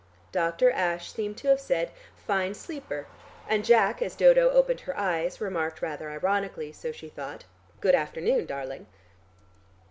Doctor Ashe seemed to have said "fine sleeper," and Jack, as Dodo opened her eyes, remarked rather ironically, so she thought, "Good afternoon, darling."